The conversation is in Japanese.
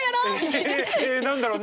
何だろう？